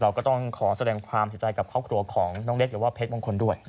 ก็ต้องขอแสดงความเสียใจกับครอบครัวของน้องเล็กหรือว่าเพชรมงคลด้วย